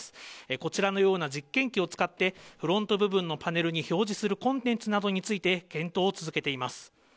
こちらのような実験機を使って、フロント部分のパネルに表示するコンテンツなどについて、検討を続けています。